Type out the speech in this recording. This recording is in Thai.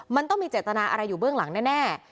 มันต้องมีเจตนาอะไรอยู่เบื้องหลังแน่